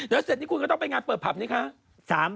เดี๋ยวเสร็จนี้กูก็ต้องไปงานเปิดพลับนะครับ